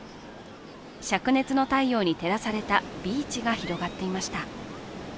しゃく熱の太陽に照らされたビーチが広がっていました。